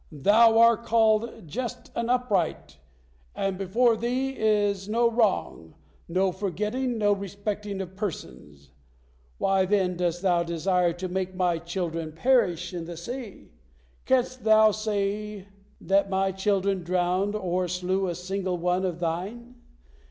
Thou are called just and upright, and before Thee there is no wrong, no forgetting, no respecting of persons. Why, then, dost Thou desire to make my children perish in the sea? Canst Thou say that my children drowned or slew a single one of Thine?